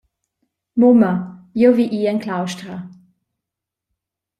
Mumma, jeu vi ir en claustra.